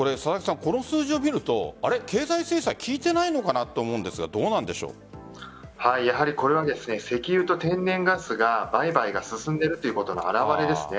この数字を見るとあれ、経済制裁効いていないのかなと思うんですがやはりこれは石油と天然ガスの売買が進んでいるということの表れです。